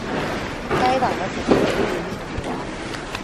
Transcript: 该党的总部位于鲁昂。